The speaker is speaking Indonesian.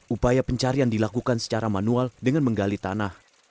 upaya pencarian dilakukan secara manual dengan menggali tanah